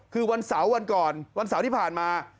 คือวันเสาร์วันก่อนวันเสาร์ที่ผ่านมา